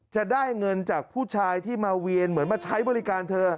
จะได้เงินจากผู้ชายที่มาเวียนเหมือนมาใช้บริการเธอ